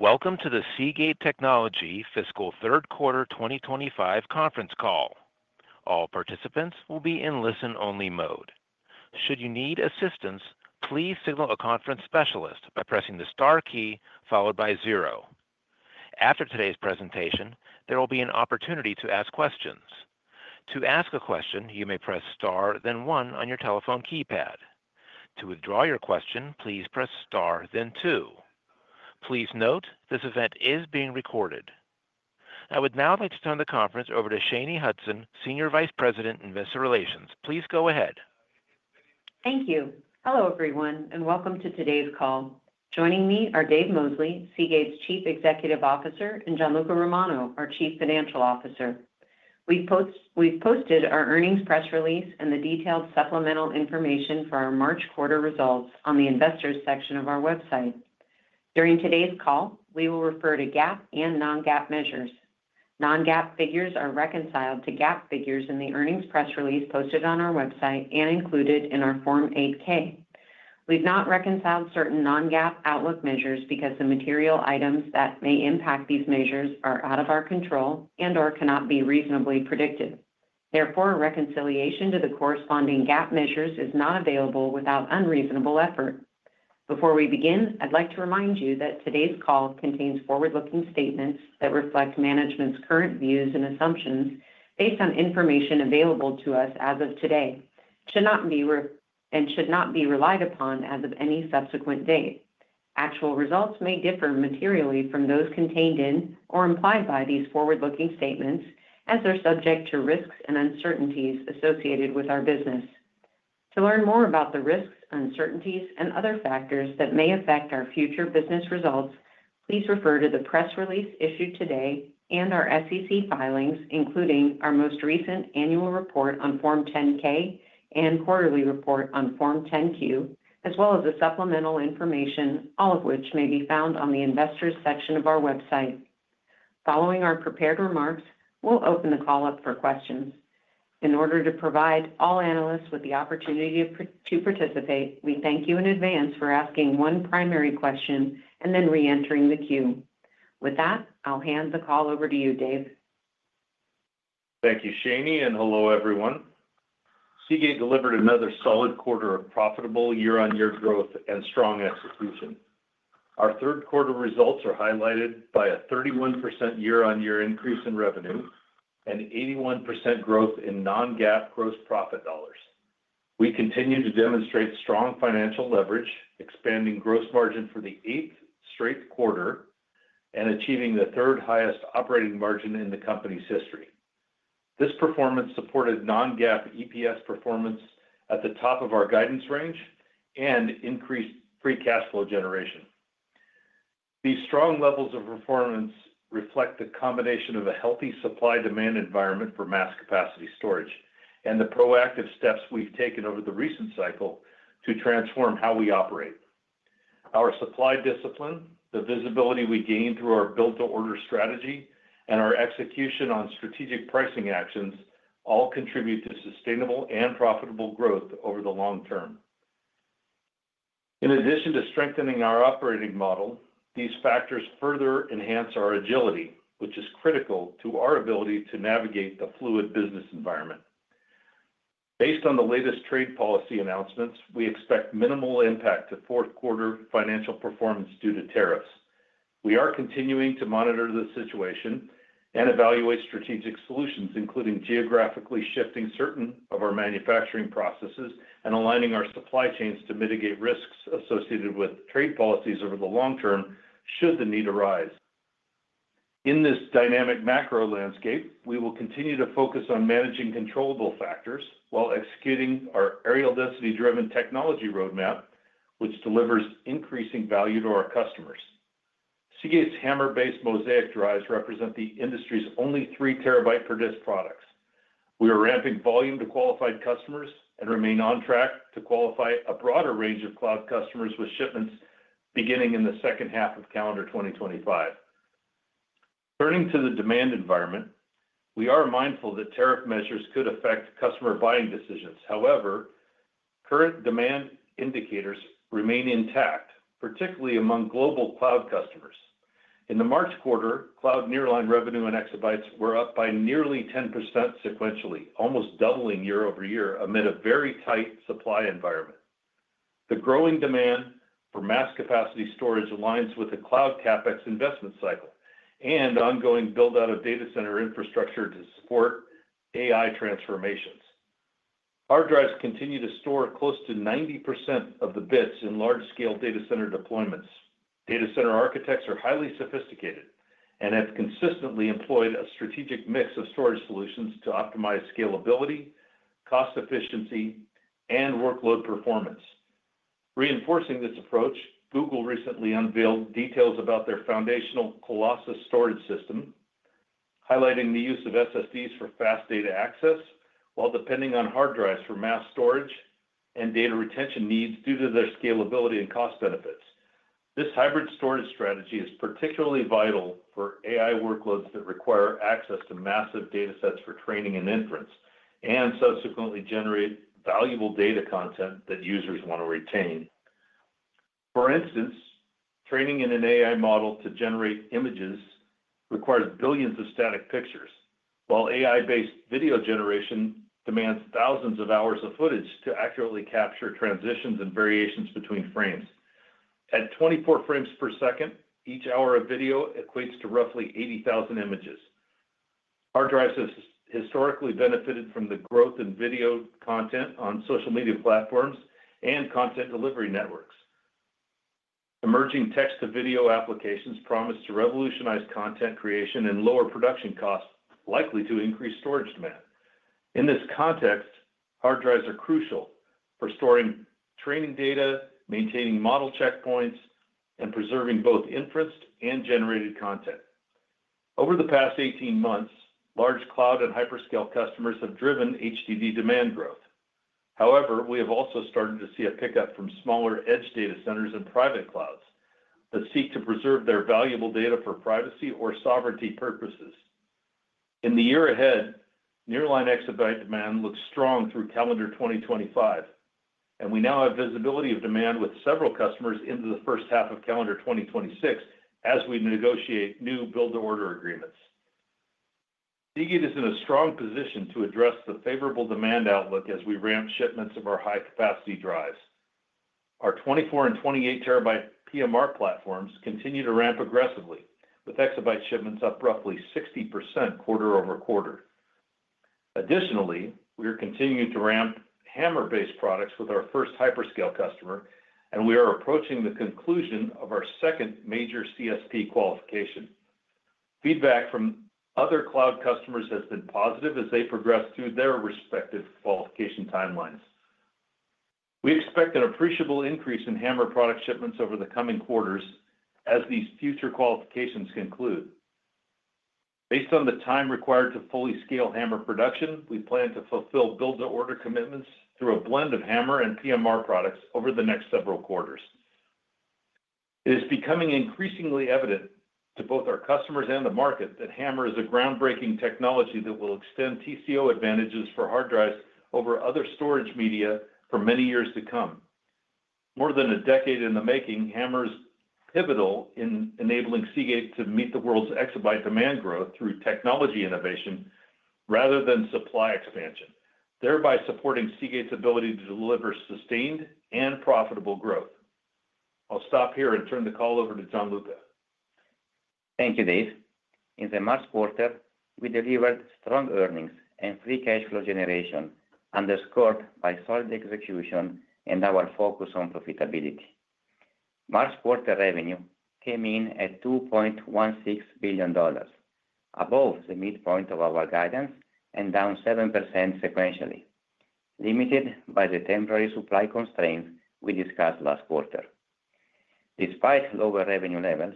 Welcome to the Seagate Technology Fiscal Third Quarter 2025 Conference Call. All participants will be in listen-only mode. Should you need assistance, please signal a conference specialist by pressing the star key followed by zero. After today's presentation, there will be an opportunity to ask questions. To ask a question, you may press star, then one on your telephone keypad. To withdraw your question, please press star, then two. Please note this event is being recorded. I would now like to turn the conference over to Shanye Hudson, Senior Vice President of Investor Relations. Please go ahead. Thank you. Hello, everyone, and welcome to today's call. Joining me are Dave Mosley, Seagate's Chief Executive Officer, and Gianluca Romano, our Chief Financial Officer. We've posted our earnings press release and the detailed supplemental information for our March quarter results on the investors' section of our website. During today's call, we will refer to GAAP and non-GAAP measures. Non-GAAP figures are reconciled to GAAP figures in the earnings press release posted on our website and included in our Form 8-K. We've not reconciled certain non-GAAP outlook measures because the material items that may impact these measures are out of our control and/or cannot be reasonably predicted. Therefore, reconciliation to the corresponding GAAP measures is not available without unreasonable effort. Before we begin, I'd like to remind you that today's call contains forward-looking statements that reflect management's current views and assumptions based on information available to us as of today and should not be relied upon as of any subsequent date. Actual results may differ materially from those contained in or implied by these forward-looking statements, as they're subject to risks and uncertainties associated with our business. To learn more about the risks, uncertainties, and other factors that may affect our future business results, please refer to the press release issued today and our SEC filings, including our most recent annual report on Form 10-K and quarterly report on Form 10-Q, as well as the supplemental information, all of which may be found on the investors' section of our website. Following our prepared remarks, we'll open the call up for questions. In order to provide all analysts with the opportunity to participate, we thank you in advance for asking one primary question and then re-entering the queue. With that, I'll hand the call over to you, Dave. Thank you, Shanye, and hello, everyone. Seagate delivered another solid quarter of profitable year-on-year growth and strong execution. Our third quarter results are highlighted by a 31% year-on-year increase in revenue and 81% growth in non-GAAP gross profit dollars. We continue to demonstrate strong financial leverage, expanding gross margin for the eighth straight quarter and achieving the third highest operating margin in the company's history. This performance supported non-GAAP EPS performance at the top of our guidance range and increased free cash flow generation. These strong levels of performance reflect the combination of a healthy supply-demand environment for mass-capacity storage and the proactive steps we've taken over the recent cycle to transform how we operate. Our supply discipline, the visibility we gained through our build-to-order strategy, and our execution on strategic pricing actions all contribute to sustainable and profitable growth over the long term. In addition to strengthening our operating model, these factors further enhance our agility, which is critical to our ability to navigate the fluid business environment. Based on the latest trade policy announcements, we expect minimal impact to fourth quarter financial performance due to tariffs. We are continuing to monitor the situation and evaluate strategic solutions, including geographically shifting certain of our manufacturing processes and aligning our supply chains to mitigate risks associated with trade policies over the long term should the need arise. In this dynamic macro landscape, we will continue to focus on managing controllable factors while executing our areal density-driven technology roadmap, which delivers increasing value to our customers. Seagate's HAMR-based Mozaic drives represent the industry's only three terabyte per disk products. We are ramping volume to qualified customers and remain on track to qualify a broader range of cloud customers with shipments beginning in the second half of calendar 2025. Turning to the demand environment, we are mindful that tariff measures could affect customer buying decisions. However, current demand indicators remain intact, particularly among global cloud customers. In the March quarter, cloud nearline revenue and exabytes were up by nearly 10% sequentially, almost doubling year over year amid a very tight supply environment. The growing demand for mass-capacity storage aligns with the cloud CapEx investment cycle and ongoing build-out of data center infrastructure to support AI transformations. Our drives continue to store close to 90% of the bits in large-scale data center deployments. Data center architects are highly sophisticated and have consistently employed a strategic mix of storage solutions to optimize scalability, cost efficiency, and workload performance. Reinforcing this approach, Google recently unveiled details about their foundational Colossus storage system, highlighting the use of SSDs for fast data access while depending on hard drives for mass storage and data retention needs due to their scalability and cost benefits. This hybrid storage strategy is particularly vital for AI workloads that require access to massive data sets for training and inference and subsequently generate valuable data content that users want to retain. For instance, training in an AI model to generate images requires billions of static pictures, while AI-based video generation demands thousands of hours of footage to accurately capture transitions and variations between frames. At 24 frames per second, each hour of video equates to roughly 80,000 images. Our drives have historically benefited from the growth in video content on social media platforms and content delivery networks. Emerging text-to-video applications promise to revolutionize content creation and lower production costs, likely to increase storage demand. In this context, hard drives are crucial for storing training data, maintaining model checkpoints, and preserving both inferenced and generated content. Over the past 18 months, large cloud and hyperscale customers have driven HDD demand growth. However, we have also started to see a pickup from smaller edge data centers and private clouds that seek to preserve their valuable data for privacy or sovereignty purposes. In the year ahead, nearline exabyte demand looks strong through calendar 2025, and we now have visibility of demand with several customers into the first half of calendar 2026 as we negotiate new build-to-order agreements. Seagate is in a strong position to address the favorable demand outlook as we ramp shipments of our high-capacity drives. Our 24 and 28-terabyte PMR platforms continue to ramp aggressively, with exabyte shipments up roughly 60% quarter-over-quarter. Additionally, we are continuing to ramp HAMR-based products with our first hyperscale customer, and we are approaching the conclusion of our second major CSP qualification. Feedback from other cloud customers has been positive as they progress through their respective qualification timelines. We expect an appreciable increase in HAMR product shipments over the coming quarters as these future qualifications conclude. Based on the time required to fully scale HAMR production, we plan to fulfill build-to-order commitments through a blend of HAMR and PMR products over the next several quarters. It is becoming increasingly evident to both our customers and the market that HAMR is a groundbreaking technology that will extend TCO advantages for hard drives over other storage media for many years to come. More than a decade in the making, HAMR is pivotal in enabling Seagate to meet the world's exabyte demand growth through technology innovation rather than supply expansion, thereby supporting Seagate's ability to deliver sustained and profitable growth. I'll stop here and turn the call over to Gianluca. Thank you, Dave. In the March quarter, we delivered strong earnings and free cash flow generation underscored by solid execution and our focus on profitability. March quarter revenue came in at $2.16 billion, above the midpoint of our guidance and down 7% sequentially, limited by the temporary supply constraints we discussed last quarter. Despite lower revenue levels,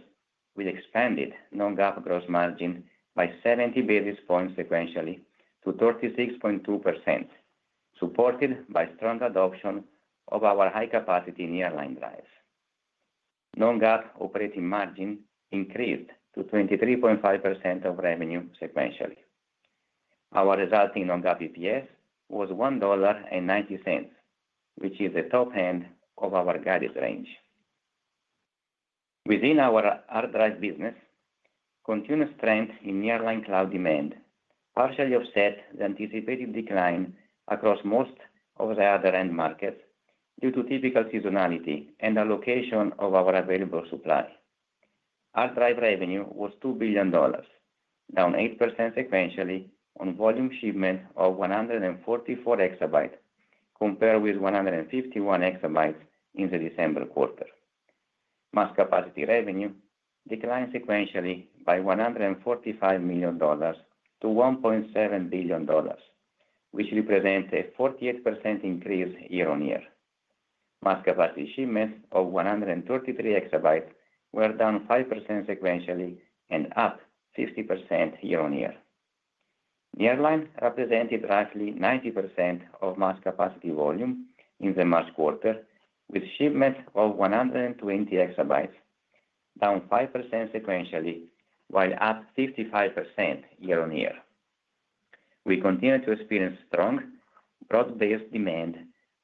we expanded non-GAAP gross margin by 70 basis points sequentially to 36.2%, supported by strong adoption of our high-capacity nearline drives. Non-GAAP operating margin increased to 23.5% of revenue sequentially. Our resulting non-GAAP EPS was $1.90, which is the top end of our guided range. Within our hard drive business, continued strength in nearline cloud demand partially offsets the anticipated decline across most of the other end markets due to typical seasonality and allocation of our available supply. Hard drive revenue was $2 billion, down 8% sequentially on volume shipment of 144 exabytes, compared with 151 exabytes in the December quarter. Mass-capacity revenue declined sequentially by $145 million to $1.7 billion, which represents a 48% increase year-on-year. Mass-capacity shipments of 133 exabytes were down 5% sequentially and up 50% year-on-year. Nearline represented roughly 90% of mass-capacity volume in the March quarter, with shipments of 120 exabytes down 5% sequentially while up 55% year-on-year. We continue to experience strong broad-based demand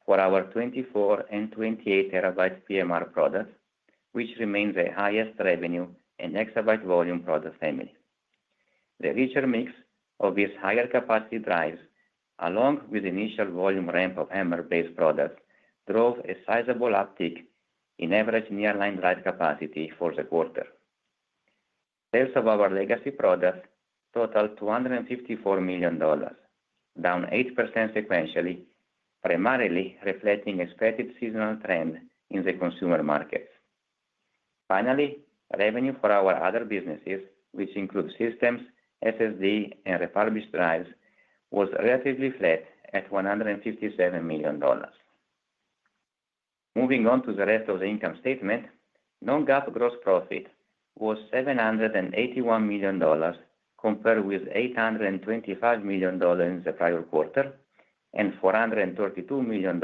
for our 24 and 28 terabyte PMR products, which remains the highest revenue and exabyte volume product family. The richer mix of these higher capacity drives, along with the initial volume ramp of HAMR-based products, drove a sizable uptick in average nearline drive capacity for the quarter. Sales of our legacy products totaled $254 million, down 8% sequentially, primarily reflecting expected seasonal trend in the consumer markets. Finally, revenue for our other businesses, which include systems, SSD, and refurbished drives, was relatively flat at $157 million. Moving on to the rest of the income statement, non-GAAP gross profit was $781 million, compared with $825 million in the prior quarter and $432 million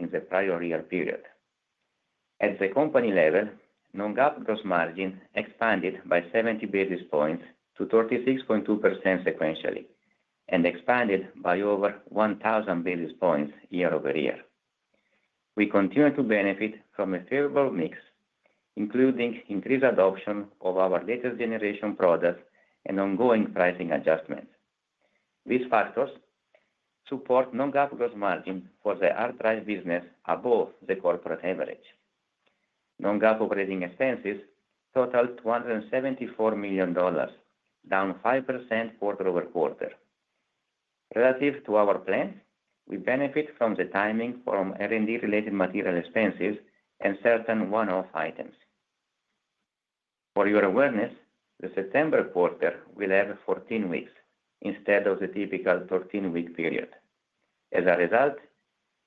in the prior year period. At the company level, non-GAAP gross margin expanded by 70 basis points to 36.2% sequentially and expanded by over 1,000 basis points year-over-year. We continue to benefit from a favorable mix, including increased adoption of our latest generation products and ongoing pricing adjustments. These factors support non-GAAP gross margin for the hard drive business above the corporate average. Non-GAAP operating expenses totaled $274 million, down 5% quarter-over-quarter. Relative to our plans, we benefit from the timing from R&D-related material expenses and certain one-off items. For your awareness, the September quarter will have 14 weeks instead of the typical 13-week period. As a result,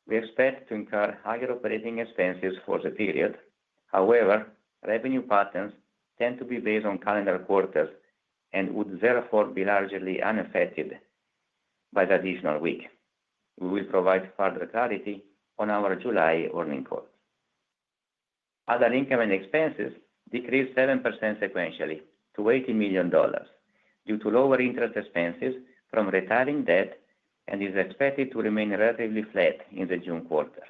we expect to incur higher operating expenses for the period. However, revenue patterns tend to be based on calendar quarters and would therefore be largely unaffected by the additional week. We will provide further clarity on our July earning call. Other income and expenses decreased 7% sequentially to $80 million due to lower interest expenses from retiring debt and is expected to remain relatively flat in the June quarter.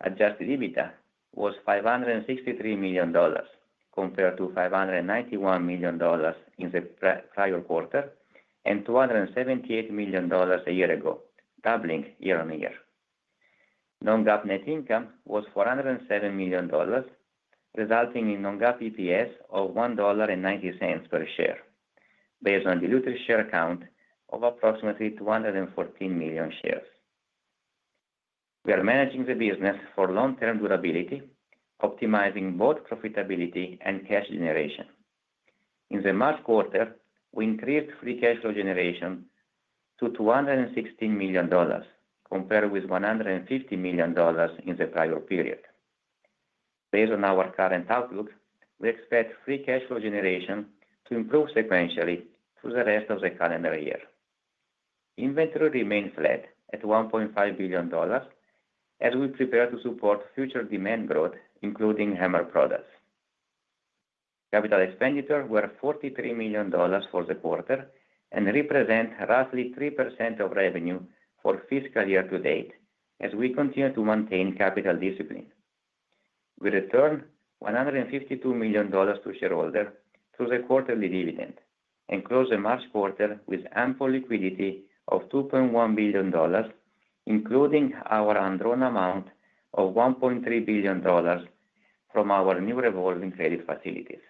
Adjusted EBITDA was $563 million compared to $591 million in the prior quarter and $278 million a year ago, doubling year-on-year. Non-GAAP net income was $407 million, resulting in non-GAAP EPS of $1.90 per share, based on diluted share count of approximately 214 million shares. We are managing the business for long-term durability, optimizing both profitability and cash generation. In the March quarter, we increased free cash flow generation to $216 million, compared with $150 million in the prior period. Based on our current outlook, we expect free cash flow generation to improve sequentially through the rest of the calendar year. Inventory remains flat at $1.5 billion as we prepare to support future demand growth, including HAMR products. Capital expenditure was $43 million for the quarter and represents roughly 3% of revenue for fiscal year to date as we continue to maintain capital discipline. We returned $152 million to shareholders through the quarterly dividend and closed the March quarter with ample liquidity of $2.1 billion, including our undrawn amount of $1.3 billion from our new revolving credit facilities.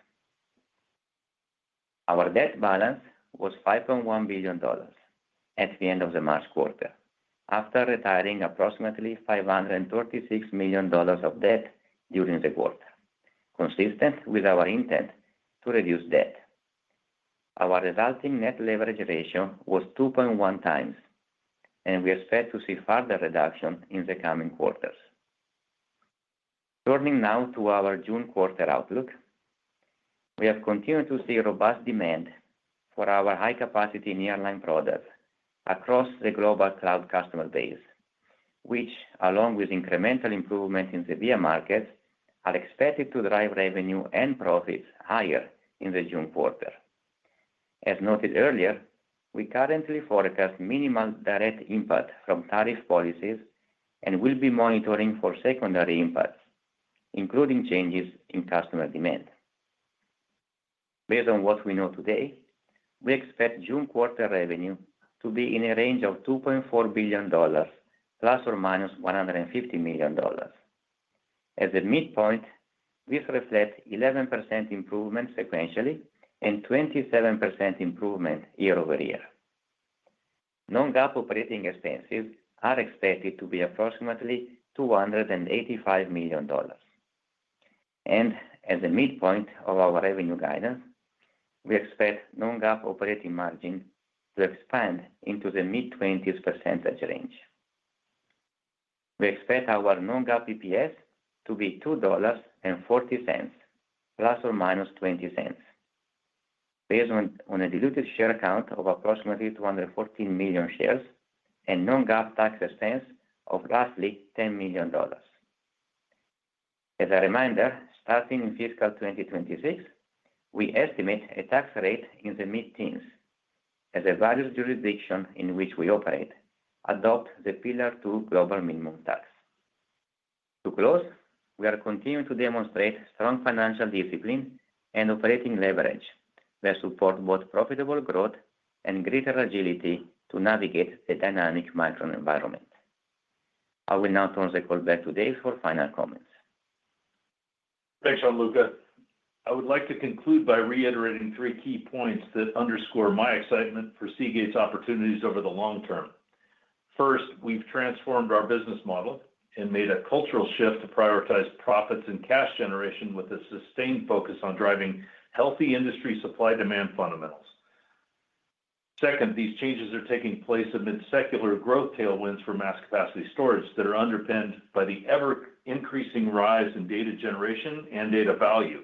Our debt balance was $5.1 billion at the end of the March quarter, after retiring approximately $536 million of debt during the quarter, consistent with our intent to reduce debt. Our resulting net leverage ratio was 2.1x, and we expect to see further reduction in the coming quarters. Turning now to our June quarter outlook, we have continued to see robust demand for our high-capacity nearline products across the global cloud customer base, which, along with incremental improvements in the VIA markets, are expected to drive revenue and profits higher in the June quarter. As noted earlier, we currently forecast minimal direct impact from tariff policies and will be monitoring for secondary impacts, including changes in customer demand. Based on what we know today, we expect June quarter revenue to be in a range of $2.4 billion, $±150 million. At the midpoint, this reflects 11% improvement sequentially and 27% improvement year-over-year. Non-GAAP operating expenses are expected to be approximately $285 million. At the midpoint of our revenue guidance, we expect non-GAAP operating margin to expand into the mid-20% range. We expect our non-GAAP EPS to be $2.40, $±0.20, based on a diluted share count of approximately 214 million shares and non-GAAP tax expense of roughly $10 million. As a reminder, starting in fiscal 2026, we estimate a tax rate in the mid-teens, as the various jurisdictions in which we operate adopt the Pillar Two global minimum tax. To close, we are continuing to demonstrate strong financial discipline and operating leverage that support both profitable growth and greater agility to navigate the dynamic macro environment. I will now turn the call back to Dave for final comments. Thanks, Gianluca. I would like to conclude by reiterating three key points that underscore my excitement for Seagate's opportunities over the long term. First, we've transformed our business model and made a cultural shift to prioritize profits and cash generation with a sustained focus on driving healthy industry supply-demand fundamentals. Second, these changes are taking place amid secular growth tailwinds for mass-capacity storage that are underpinned by the ever-increasing rise in data generation and data value.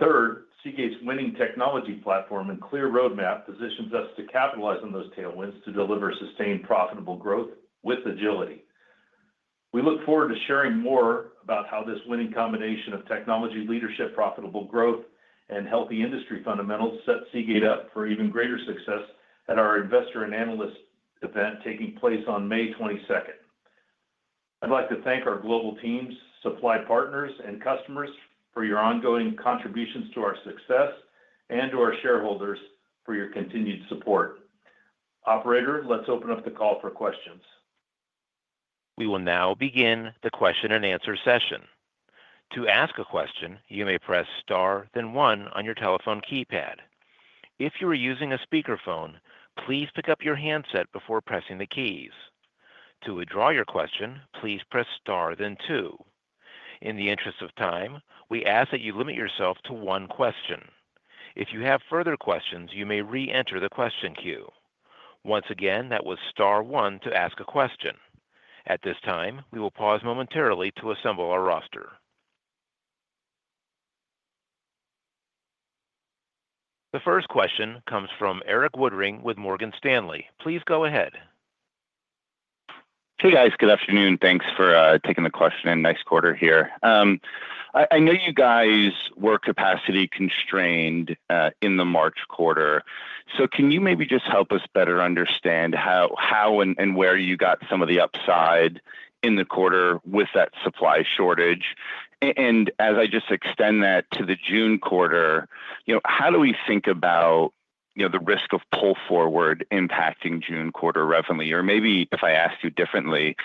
Third, Seagate's winning technology platform and clear roadmap positions us to capitalize on those tailwinds to deliver sustained profitable growth with agility. We look forward to sharing more about how this winning combination of technology leadership, profitable growth, and healthy industry fundamentals set Seagate up for even greater success at our investor and analyst event taking place on May 22nd. I'd like to thank our global teams, supply partners, and customers for your ongoing contributions to our success and to our shareholders for your continued support. Operator, let's open up the call for questions. We will now begin the question-and-answer session. To ask a question, you may press star, then one on your telephone keypad. If you are using a speakerphone, please pick up your handset before pressing the keys. To withdraw your question, please press star, then two. In the interest of time, we ask that you limit yourself to one question. If you have further questions, you may re-enter the question queue. Once again, that was star, one, to ask a question. At this time, we will pause momentarily to assemble our roster. The first question comes from Erik Woodring with Morgan Stanley. Please go ahead. Hey, guys. Good afternoon. Thanks for taking the question in. Nice quarter here. I know you guys were capacity-constrained in the March quarter. Can you maybe just help us better understand how and where you got some of the upside in the quarter with that supply shortage? As I just extend that to the June quarter, how do we think about the risk of pull forward impacting June quarter revenue? Maybe if I ask you differently,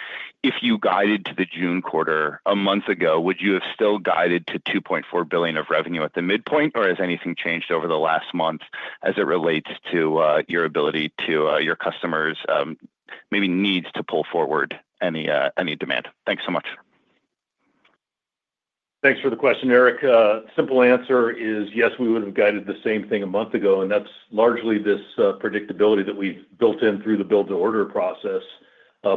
if you guided to the June quarter a month ago, would you have still guided to $2.4 billion of revenue at the midpoint, or has anything changed over the last month as it relates to your ability to your customers' maybe needs to pull forward any demand? Thanks so much. Thanks for the question, Erik. Simple answer is yes, we would have guided the same thing a month ago, and that's largely this predictability that we've built in through the build-to-order process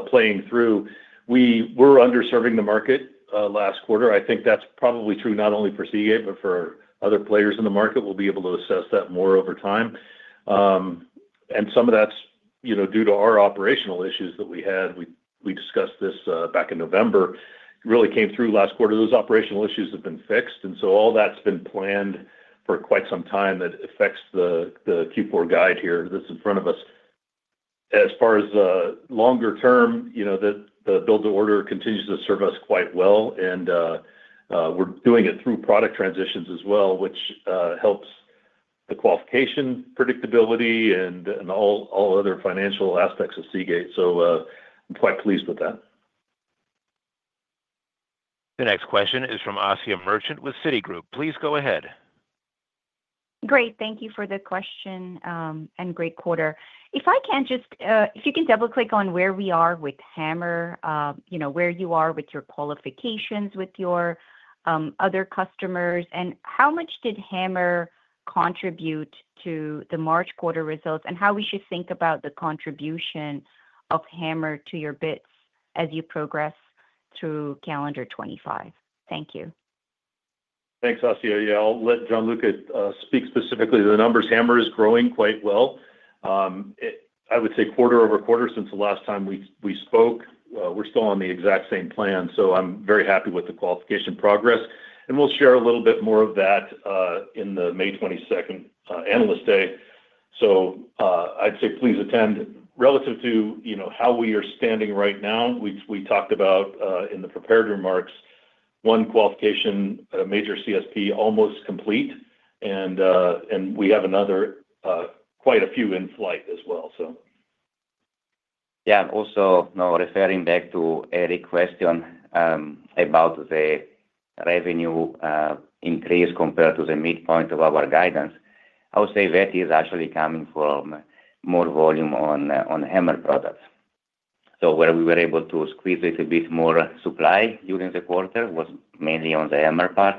playing through. We were underserving the market last quarter. I think that's probably true not only for Seagate, but for other players in the market. We'll be able to assess that more over time. Some of that's due to our operational issues that we had. We discussed this back in November. It really came through last quarter. Those operational issues have been fixed, and all that's been planned for quite some time that affects the Q4 guide here that's in front of us. As far as longer term, the build-to-order continues to serve us quite well, and we're doing it through product transitions as well, which helps the qualification predictability and all other financial aspects of Seagate. I am quite pleased with that. The next question is from Asiya Merchant with Citigroup. Please go ahead. Great. Thank you for the question and great quarter. If I can just, if you can double-click on where we are with HAMR, where you are with your qualifications with your other customers, and how much did HAMR contribute to the March quarter results, and how we should think about the contribution of HAMR to your bids as you progress through calendar 2025? Thank you. Thanks, Asiya. Yeah, I'll let Gianluca speak specifically to the numbers. HAMR is growing quite well. I would say quarter over quarter since the last time we spoke, we're still on the exact same plan. I'm very happy with the qualification progress, and we'll share a little bit more of that in the May 22nd Analyst Day. I'd say please attend relative to how we are standing right now. We talked about in the prepared remarks, one qualification, a major CSP almost complete, and we have another quite a few in flight as well. Yeah. Also, referring back to Erik's question about the revenue increase compared to the midpoint of our guidance, I would say that is actually coming from more volume on HAMR products. Where we were able to squeeze a little bit more supply during the quarter was mainly on the HAMR part,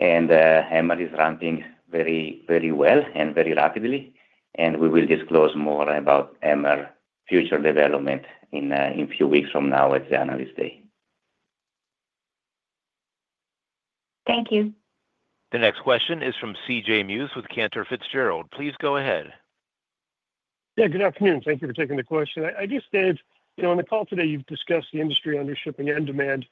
and HAMR is ramping very well and very rapidly, and we will disclose more about HAMR's future development in a few weeks from now at the analyst day. Thank you. The next question is from CJ Muse with Cantor Fitzgerald. Please go ahead. Yeah, good afternoon. Thank you for taking the question. I guess, Dave, on the call today, you've discussed the industry under-shipping end demand.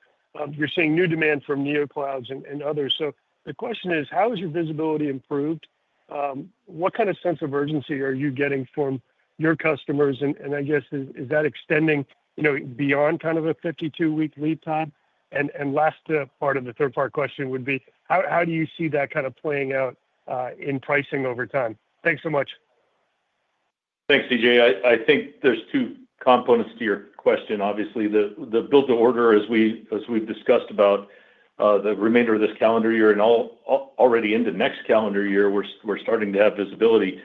You're seeing new demand from neoclouds and others. The question is, how has your visibility improved? What kind of sense of urgency are you getting from your customers? I guess, is that extending beyond kind of a 52-week lead time? Last part of the third-part question would be, how do you see that kind of playing out in pricing over time? Thanks so much. Thanks, CJ. I think there's two components to your question. Obviously, the build-to-order, as we've discussed about the remainder of this calendar year and already into next calendar year, we're starting to have visibility.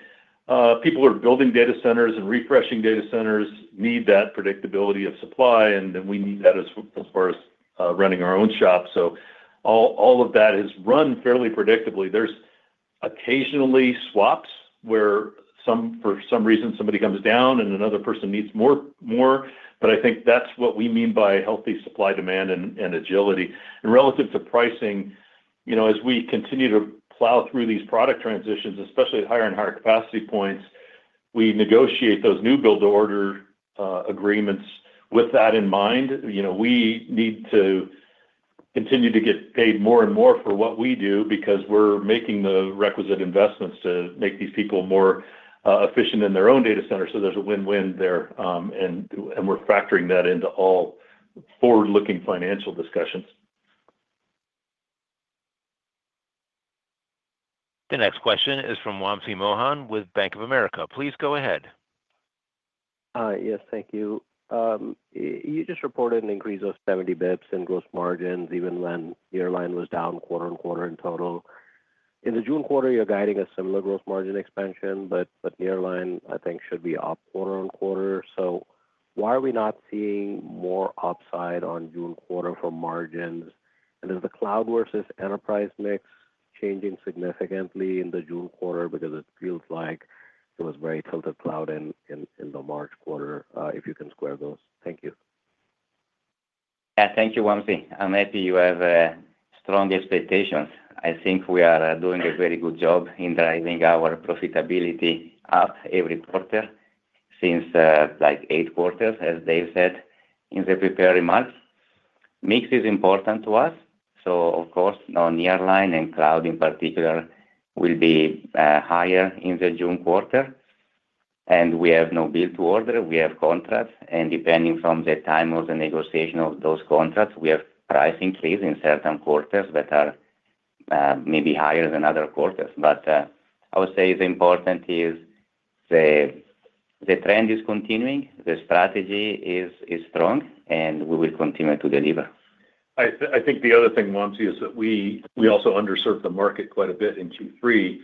People are building data centers and refreshing data centers, need that predictability of supply, and then we need that as far as running our own shop. All of that has run fairly predictably. There's occasionally swaps where for some reason somebody comes down and another person needs more, but I think that's what we mean by healthy supply demand and agility. Relative to pricing, as we continue to plow through these product transitions, especially at higher and higher capacity points, we negotiate those new build-to-order agreements with that in mind. We need to continue to get paid more and more for what we do because we're making the requisite investments to make these people more efficient in their own data centers. There is a win-win there, and we're factoring that into all forward-looking financial discussions. The next question is from Wamsi Mohan with Bank of America. Please go ahead. Yes, thank you. You just reported an increase of 70 basis points in gross margins even when nearline was down quarter on quarter in total. In the June quarter, you're guiding a similar gross margin expansion, but nearline, I think, should be up quarter on quarter. Why are we not seeing more upside on June quarter for margins? Is the cloud versus enterprise mix changing significantly in the June quarter because it feels like it was very tilted cloud in the March quarter if you can square those? Thank you. Yeah, thank you, Wamsi. I'm happy you have strong expectations. I think we are doing a very good job in driving our profitability up every quarter since like eight quarters, as Dave said in the prepared remarks. Mix is important to us. Of course, nearline and cloud in particular will be higher in the June quarter. We have no build-to-order. We have contracts, and depending on the time of the negotiation of those contracts, we have price increase in certain quarters that are maybe higher than other quarters. I would say the important thing is the trend is continuing. The strategy is strong, and we will continue to deliver. I think the other thing, Wamsi, is that we also underserved the market quite a bit in Q3,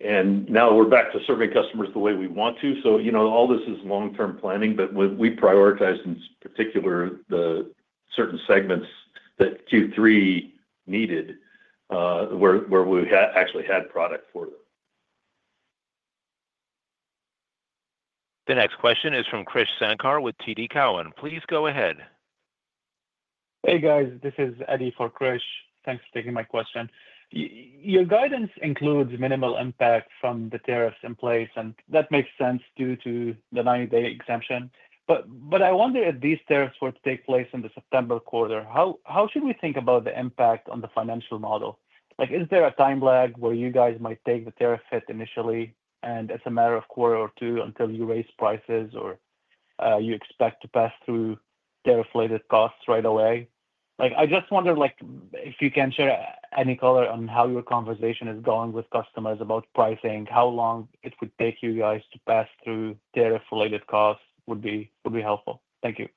and now we're back to serving customers the way we want to. All this is long-term planning, but we prioritized in particular the certain segments that Q3 needed where we actually had product for them. The next question is from Krish Sankar with TD Cowen. Please go ahead. Hey, guys. This is Eddie for Krish. Thanks for taking my question. Your guidance includes minimal impact from the tariffs in place, and that makes sense due to the 90-day exemption. I wonder if these tariffs were to take place in the September quarter, how should we think about the impact on the financial model? Is there a time lag where you guys might take the tariff hit initially and it's a matter of a quarter or two until you raise prices or you expect to pass through tariff-related costs right away? I just wonder if you can share any color on how your conversation is going with customers about pricing, how long it would take you guys to pass through tariff-related costs would be helpful. Thank you.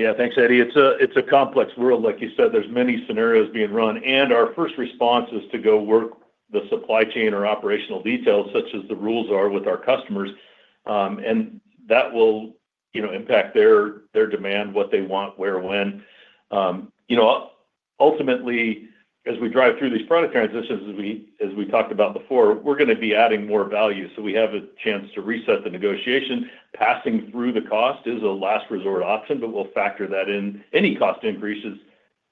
Yeah, thanks, Eddie. It's a complex world. Like you said, there's many scenarios being run, and our first response is to go work the supply chain or operational details such as the rules are with our customers, and that will impact their demand, what they want, where, when. Ultimately, as we drive through these product transitions, as we talked about before, we're going to be adding more value. We have a chance to reset the negotiation. Passing through the cost is a last resort option, but we'll factor that in any cost increases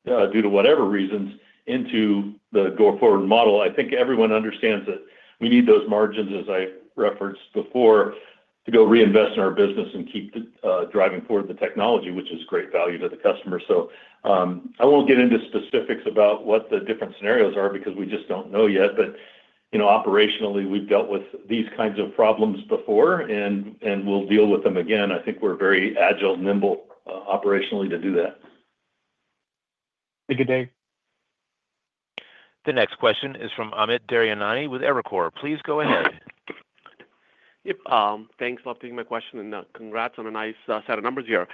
due to whatever reasons into the go-forward model. I think everyone understands that we need those margins, as I referenced before, to go reinvest in our business and keep driving forward the technology, which is great value to the customer. I will not get into specifics about what the different scenarios are because we just do not know yet, but operationally, we have dealt with these kinds of problems before, and we will deal with them again. I think we are very agile, nimble operationally to do that. Thank you, Dave. The next question is from Amit Daryanani with Evercore. Please go ahead. Yep. Thanks for updating my question, and congrats on a nice set of numbers here.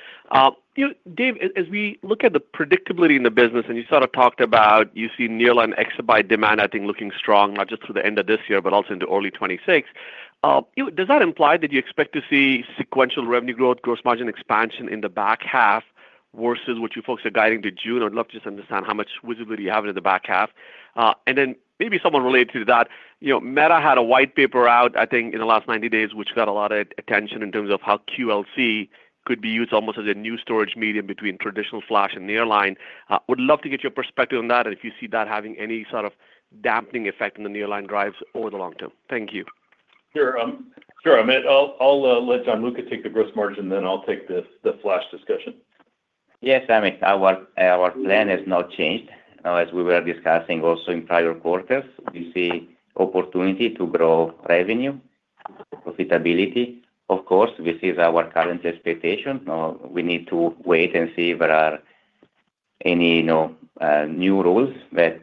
Dave, as we look at the predictability in the business, and you sort of talked about you see nearline exit by demand, I think, looking strong not just through the end of this year, but also into early 2026. Does that imply that you expect to see sequential revenue growth, gross margin expansion in the back half versus what you folks are guiding to June? I'd love to just understand how much visibility you have in the back half. And then maybe somewhat related to that, Meta had a white paper out, I think, in the last 90 days, which got a lot of attention in terms of how QLC could be used almost as a new storage medium between traditional flash and nearline. Would love to get your perspective on that and if you see that having any sort of dampening effect on the nearline drives over the long term. Thank you. Sure. Sure. I'll let Gianluca take the gross margin, and then I'll take the flash discussion. Yes, Amit. Our plan has not changed. As we were discussing also in prior quarters, we see opportunity to grow revenue, profitability, of course. This is our current expectation. We need to wait and see if there are any new rules that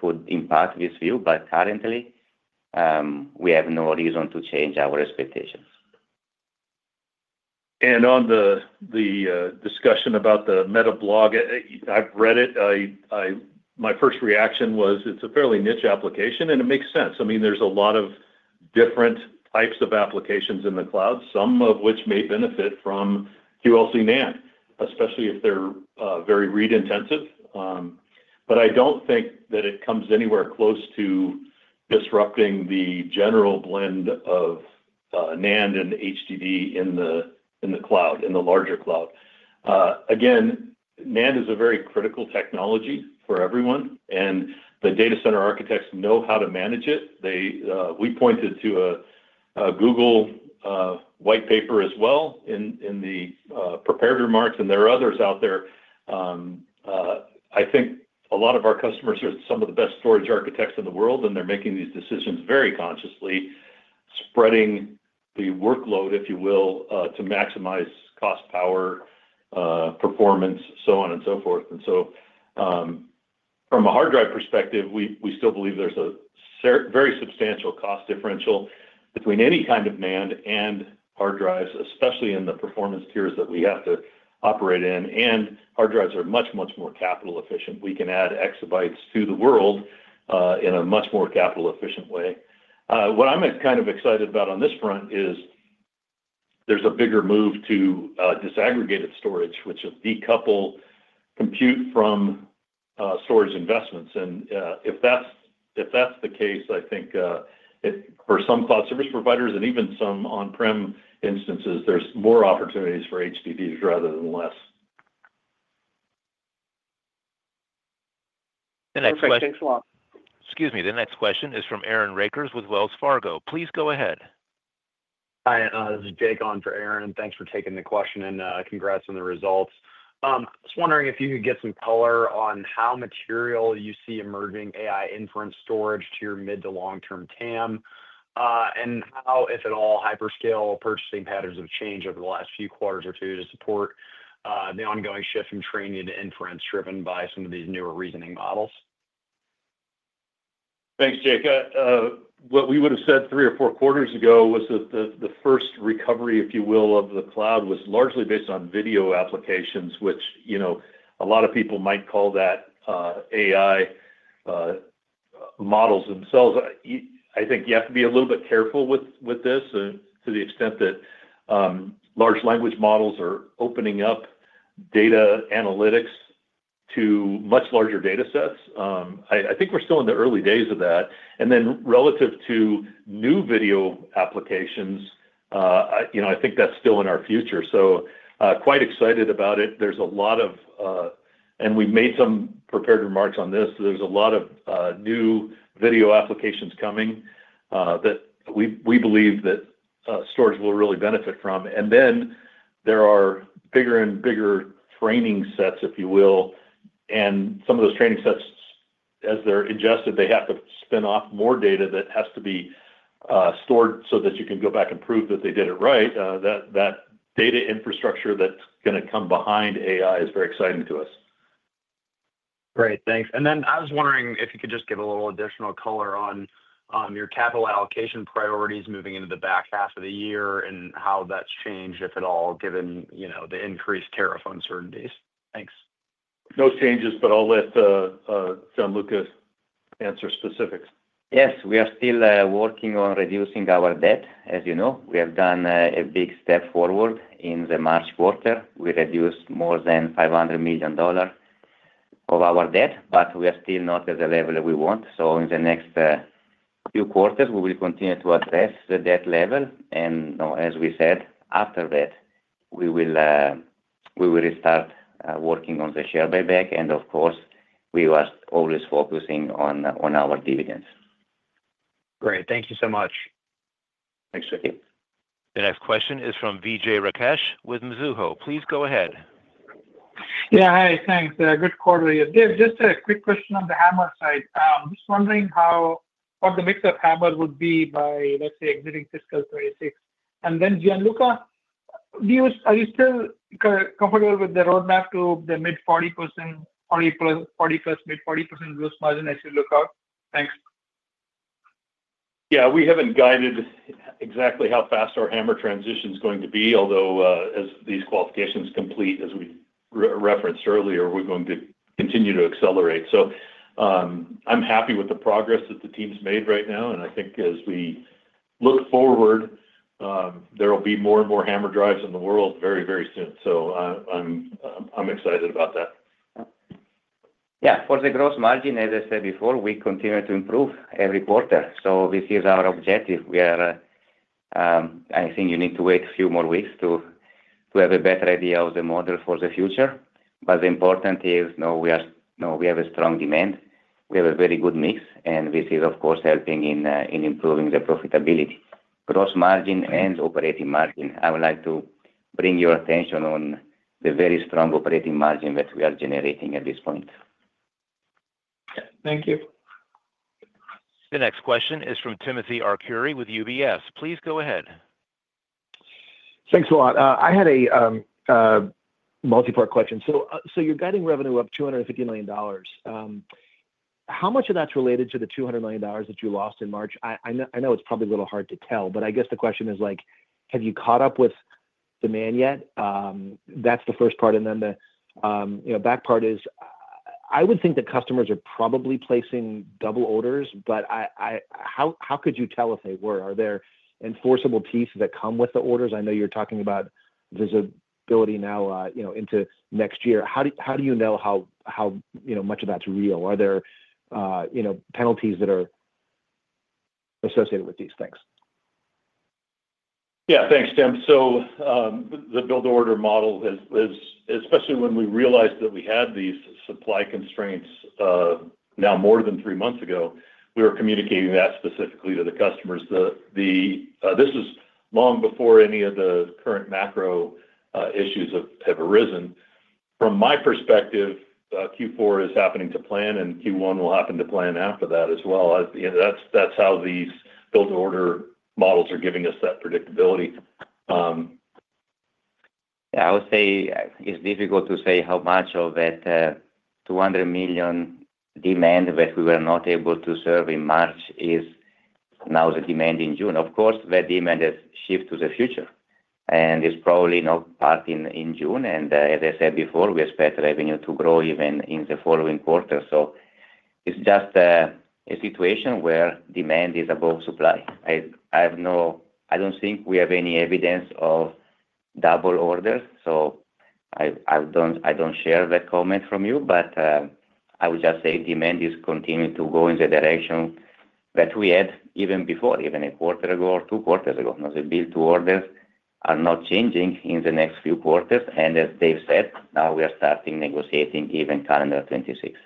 could impact this view, but currently, we have no reason to change our expectations. On the discussion about the Meta blog, I've read it. My first reaction was it's a fairly niche application, and it makes sense. I mean, there's a lot of different types of applications in the cloud, some of which may benefit from QLC NAND, especially if they're very read-intensive. I don't think that it comes anywhere close to disrupting the general blend of NAND and HDD in the cloud, in the larger cloud. Again, NAND is a very critical technology for everyone, and the data center architects know how to manage it. We pointed to a Google white paper as well in the prepared remarks, and there are others out there. I think a lot of our customers are some of the best storage architects in the world, and they're making these decisions very consciously, spreading the workload, if you will, to maximize cost, power, performance, so on and so forth. From a hard drive perspective, we still believe there's a very substantial cost differential between any kind of NAND and hard drives, especially in the performance tiers that we have to operate in. Hard drives are much, much more capital efficient. We can add exabytes to the world in a much more capital efficient way. What I'm kind of excited about on this front is there's a bigger move to disaggregated storage, which will decouple compute from storage investments. If that's the case, I think for some cloud service providers and even some on-prem instances, there's more opportunities for HDDs rather than less. The next question. Thanks a lot. Excuse me. The next question is from Aaron Rakers with Wells Fargo. Please go ahead. Hi. This is Jake on for Aaron. Thanks for taking the question, and congrats on the results. Just wondering if you could get some color on how material you see emerging AI inference storage to your mid to long-term TAM and how, if at all, hyperscale purchasing patterns have changed over the last few quarters or two to support the ongoing shift from training to inference driven by some of these newer reasoning models? Thanks, Jake. What we would have said three or four quarters ago was that the first recovery, if you will, of the cloud was largely based on video applications, which a lot of people might call that AI models themselves. I think you have to be a little bit careful with this to the extent that large language models are opening up data analytics to much larger data sets. I think we're still in the early days of that. Relative to new video applications, I think that's still in our future. Quite excited about it. There's a lot of, and we made some prepared remarks on this, there's a lot of new video applications coming that we believe that storage will really benefit from. There are bigger and bigger training sets, if you will, and some of those training sets, as they're ingested, they have to spin off more data that has to be stored so that you can go back and prove that they did it right. That data infrastructure that's going to come behind AI is very exciting to us. Great. Thanks. I was wondering if you could just give a little additional color on your capital allocation priorities moving into the back half of the year and how that's changed, if at all, given the increased tariff uncertainties. Thanks. No changes, but I'll let Gianluca answer specifics. Yes. We are still working on reducing our debt. As you know, we have done a big step forward in the March quarter. We reduced more than $500 million of our debt, but we are still not at the level we want. In the next few quarters, we will continue to address the debt level. As we said, after that, we will restart working on the share buyback. Of course, we are always focusing on our dividends. Great. Thank you so much. Thanks, Jake. The next question is from Vijay Rakesh with Mizuho. Please go ahead. Yeah. Hi. Thanks. Good quarter to you. Dave, just a quick question on the HAMR side. Just wondering how the mix of HAMR would be by, let's say, exiting fiscal 2026. And then Gianluca, are you still comfortable with the roadmap to the mid-40% gross margin as you look out? Thanks. Yeah. We haven't guided exactly how fast our HAMR transition is going to be, although as these qualifications complete, as we referenced earlier, we're going to continue to accelerate. I'm happy with the progress that the team's made right now. I think as we look forward, there will be more and more HAMR drives in the world very, very soon. I'm excited about that. Yeah. For the gross margin, as I said before, we continue to improve every quarter. This is our objective. I think you need to wait a few more weeks to have a better idea of the model for the future. The important thing is we have a strong demand. We have a very good mix, and this is, of course, helping in improving the profitability. Gross margin and operating margin, I would like to bring your attention on the very strong operating margin that we are generating at this point. Thank you. The next question is from Timothy Arcuri with UBS. Please go ahead. Thanks a lot. I had a multi-part question. You're guiding revenue up $250 million. How much of that's related to the $200 million that you lost in March? I know it's probably a little hard to tell, but I guess the question is, have you caught up with demand yet? That's the first part. The back part is I would think that customers are probably placing double orders, but how could you tell if they were? Are there enforceable pieces that come with the orders? I know you're talking about visibility now into next year. How do you know how much of that's real? Are there penalties that are associated with these things? Yeah. Thanks, Tim. The build-to-order model, especially when we realized that we had these supply constraints now more than three months ago, we were communicating that specifically to the customers. This is long before any of the current macro issues have arisen. From my perspective, Q4 is happening to plan, and Q1 will happen to plan after that as well. That's how these build-to-order models are giving us that predictability. Yeah. I would say it's difficult to say how much of that $200 million demand that we were not able to serve in March is now the demand in June. Of course, that demand has shifted to the future, and it's probably not parked in June. As I said before, we expect revenue to grow even in the following quarter. It is just a situation where demand is above supply. I don't think we have any evidence of double orders. I don't share that comment from you, but I would just say demand is continuing to go in the direction that we had even before, even a quarter ago or two quarters ago. The build-to-orders are not changing in the next few quarters. As Dave said, now we are starting negotiating even calendar 2026.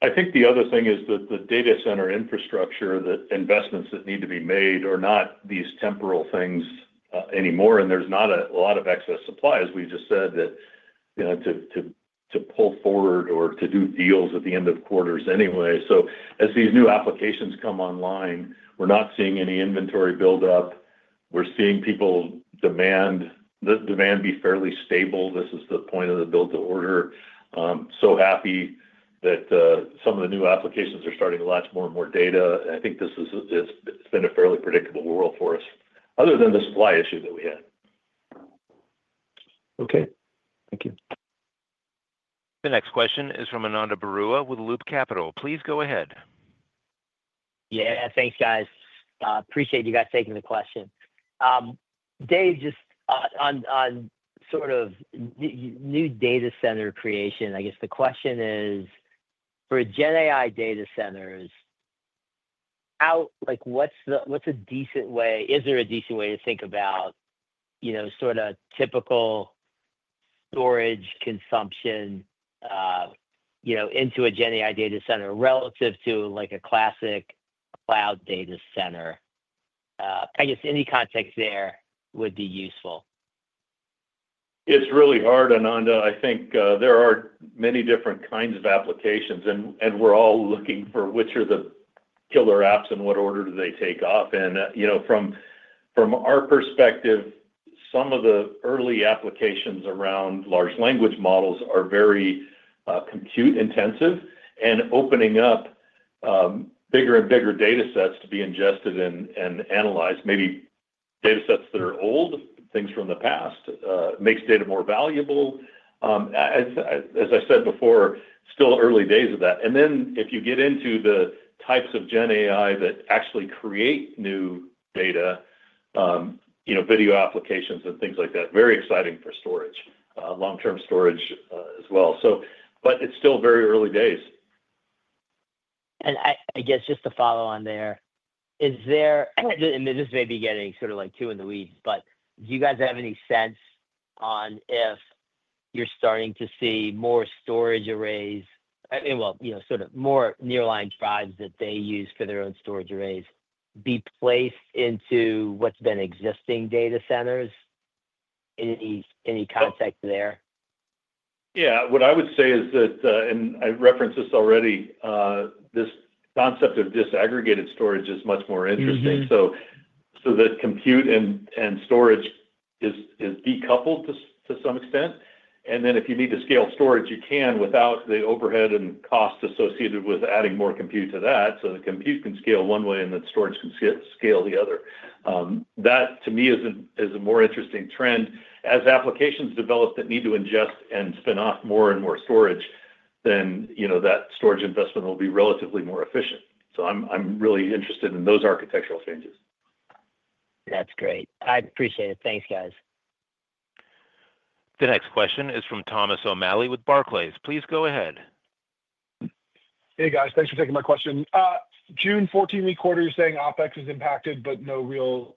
I think the other thing is that the data center infrastructure, the investments that need to be made are not these temporal things anymore, and there's not a lot of excess supply, as we just said, to pull forward or to do deals at the end of quarters anyway. As these new applications come online, we're not seeing any inventory build-up. We're seeing people demand be fairly stable. This is the point of the build-to-order. Happy that some of the new applications are starting to latch more and more data. I think it's been a fairly predictable world for us, other than the supply issue that we had. Okay. Thank you. The next question is from Ananda Baruah with Loop Capital. Please go ahead. Yeah. Thanks, guys. Appreciate you guys taking the question. Dave, just on sort of new data center creation, I guess the question is, for GenAI data centers, what's a decent way? Is there a decent way to think about sort of typical storage consumption into a GenAI data center relative to a classic cloud data center? I guess any context there would be useful. It's really hard, Ananda. I think there are many different kinds of applications, and we're all looking for which are the killer apps and what order do they take off. From our perspective, some of the early applications around large language models are very compute-intensive and opening up bigger and bigger data sets to be ingested and analyzed, maybe data sets that are old, things from the past, makes data more valuable. As I said before, still early days of that. If you get into the types of GenAI that actually create new data, video applications and things like that, very exciting for storage, long-term storage as well. It's still very early days. I guess just to follow on there, and this may be getting sort of too in the weeds, but do you guys have any sense on if you're starting to see more storage arrays, sort of more nearline drives that they use for their own storage arrays be placed into what's been existing data centers? Any context there? Yeah. What I would say is that, and I referenced this already, this concept of disaggregated storage is much more interesting. The compute and storage is decoupled to some extent. If you need to scale storage, you can without the overhead and cost associated with adding more compute to that. The compute can scale one way, and storage can scale the other. That, to me, is a more interesting trend. As applications develop that need to ingest and spin off more and more storage, that storage investment will be relatively more efficient. I'm really interested in those architectural changes. That's great. I appreciate it. Thanks, guys. The next question is from Thomas O'Malley with Barclays. Please go ahead. Hey, guys. Thanks for taking my question. June 14-week quarter is saying OpEx is impacted, but no real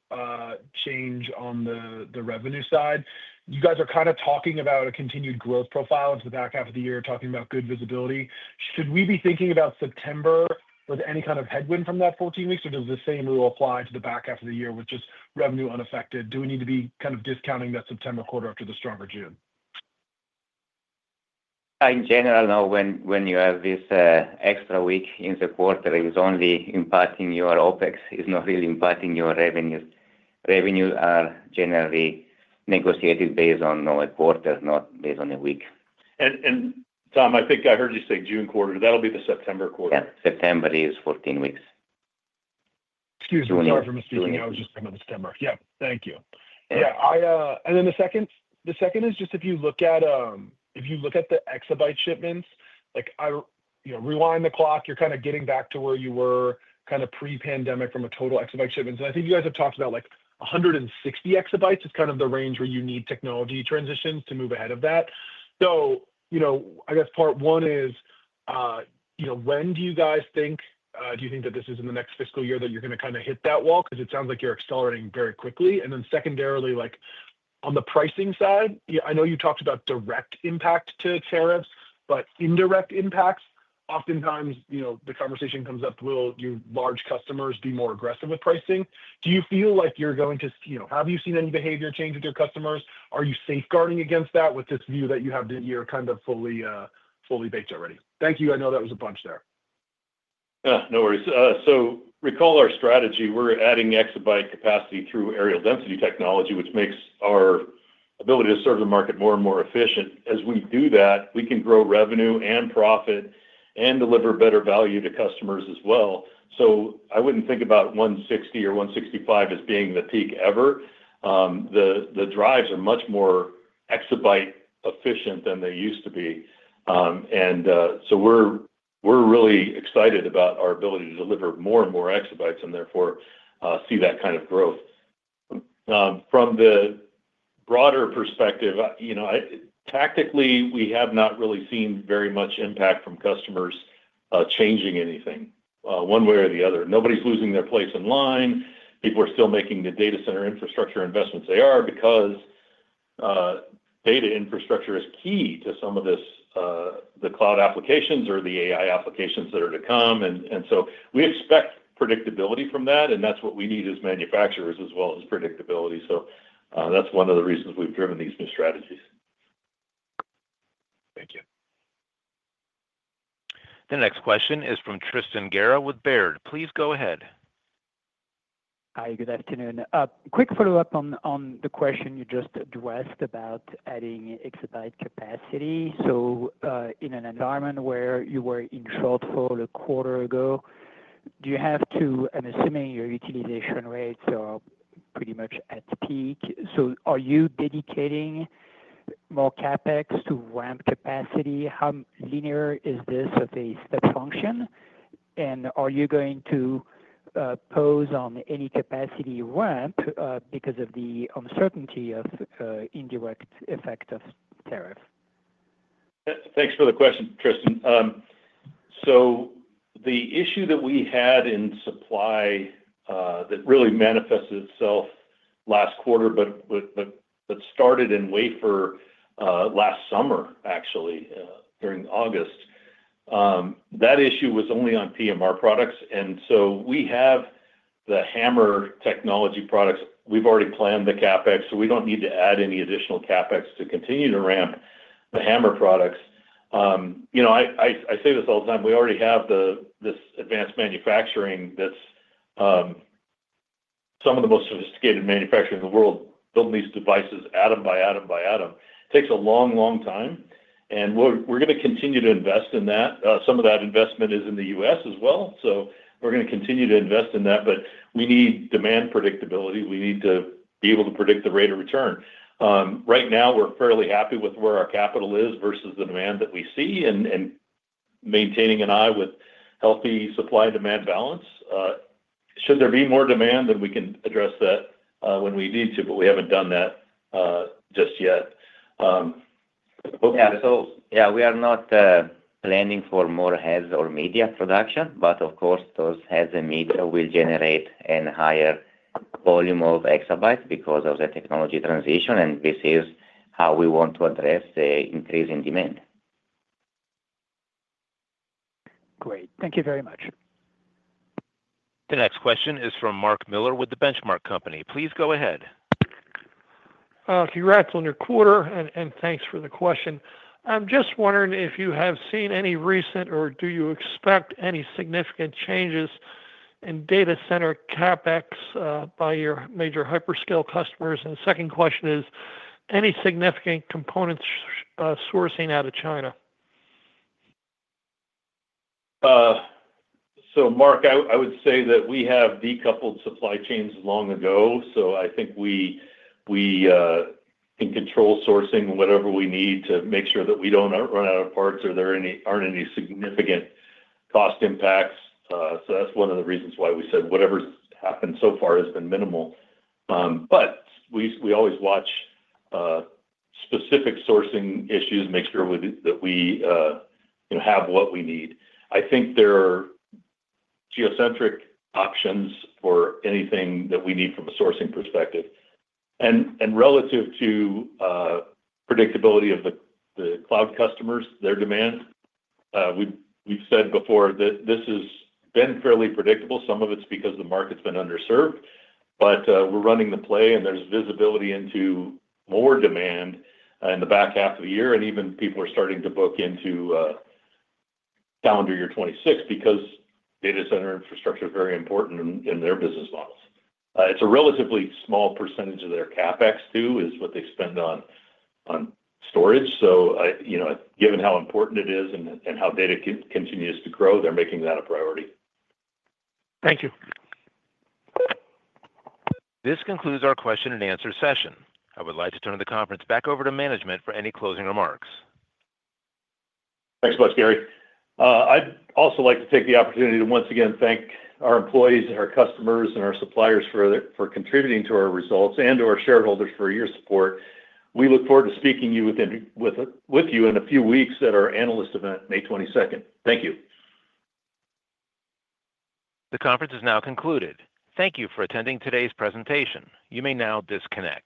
change on the revenue side. You guys are kind of talking about a continued growth profile into the back half of the year, talking about good visibility. Should we be thinking about September with any kind of headwind from that 14 weeks, or does the same rule apply to the back half of the year with just revenue unaffected? Do we need to be kind of discounting that September quarter after the stronger June? In general, when you have this extra week in the quarter, it's only impacting your OpEx. It's not really impacting your revenues. Revenues are generally negotiated based on a quarter, not based on a week. Tom, I think I heard you say June quarter. That'll be the September quarter. Yeah. September is 14 weeks. Excuse me. Sorry for misspeaking. I was just thinking of September. Yeah. Thank you. Yeah. The second is just if you look at the exabyte shipments, rewind the clock, you're kind of getting back to where you were kind of pre-pandemic from a total exabyte shipment. I think you guys have talked about 160 exabytes is kind of the range where you need technology transitions to move ahead of that. I guess part one is, when do you guys think, do you think that this is in the next fiscal year that you're going to kind of hit that wall? It sounds like you're accelerating very quickly. Secondarily, on the pricing side, I know you talked about direct impact to tariffs, but indirect impacts, oftentimes the conversation comes up, will your large customers be more aggressive with pricing? Do you feel like you're going to have, have you seen any behavior change with your customers? Are you safeguarding against that with this view that you have, that you're kind of fully baked already? Thank you. I know that was a bunch there. Yeah. No worries. Recall our strategy. We're adding exabyte capacity through areal density technology, which makes our ability to serve the market more and more efficient. As we do that, we can grow revenue and profit and deliver better value to customers as well. I wouldn't think about 160 or 165 as being the peak ever. The drives are much more exabyte efficient than they used to be. We're really excited about our ability to deliver more and more exabytes and therefore see that kind of growth. From the broader perspective, tactically, we have not really seen very much impact from customers changing anything one way or the other. Nobody's losing their place in line. People are still making the data center infrastructure investments they are because data infrastructure is key to some of the cloud applications or the AI applications that are to come. We expect predictability from that. That is what we need as manufacturers as well as predictability. That is one of the reasons we have driven these new strategies. Thank you. The next question is from Tristan Gerra with Baird. Please go ahead. Hi. Good afternoon. Quick follow-up on the question you just addressed about adding exabyte capacity. In an environment where you were in shortfall a quarter ago, do you have to, I'm assuming your utilization rates are pretty much at peak. Are you dedicating more CapEx to ramp capacity? How linear is this of a step function? Are you going to pause on any capacity ramp because of the uncertainty of indirect effect of tariff? Thanks for the question, Tristan. The issue that we had in supply that really manifested itself last quarter, but started in wafer last summer, actually, during August, that issue was only on PMR products. We have the HAMR technology products. We've already planned the CapEx, so we don't need to add any additional CapEx to continue to ramp the HAMR products. I say this all the time. We already have this advanced manufacturing that's some of the most sophisticated manufacturing in the world, building these devices atom by atom by atom. It takes a long, long time. We're going to continue to invest in that. Some of that investment is in the U.S. as well. We're going to continue to invest in that. We need demand predictability. We need to be able to predict the rate of return. Right now, we're fairly happy with where our capital is versus the demand that we see and maintaining an eye with healthy supply and demand balance. Should there be more demand, then we can address that when we need to, but we haven't done that just yet. Yeah. We are not planning for more heads or media production, but of course, those heads and media will generate a higher volume of exabytes because of the technology transition. This is how we want to address the increase in demand. Great. Thank you very much. The next question is from Mark Miller with the Benchmark Company. Please go ahead. Congrats on your quarter, and thanks for the question. I'm just wondering if you have seen any recent or do you expect any significant changes in data center CapEx by your major hyperscale customers? The second question is, any significant component sourcing out of China? Mark, I would say that we have decoupled supply chains long ago. I think we can control sourcing whatever we need to make sure that we don't run out of parts or there aren't any significant cost impacts. That's one of the reasons why we said whatever's happened so far has been minimal. We always watch specific sourcing issues and make sure that we have what we need. I think there are geocentric options for anything that we need from a sourcing perspective. Relative to predictability of the cloud customers, their demand, we've said before that this has been fairly predictable. Some of it's because the market's been underserved. We're running the play, and there's visibility into more demand in the back half of the year. Even people are starting to book into calendar year 2026 because data center infrastructure is very important in their business models. It's a relatively small percentage of their CapEx, too, is what they spend on storage. Given how important it is and how data continues to grow, they're making that a priority. Thank you. This concludes our question-and-answer session. I would like to turn the conference back over to management for any closing remarks. Thanks so much, Gary. I'd also like to take the opportunity to once again thank our employees and our customers and our suppliers for contributing to our results and our shareholders for your support. We look forward to speaking with you in a few weeks at our analyst event, May 22nd. Thank you. The conference is now concluded. Thank you for attending today's presentation. You may now disconnect.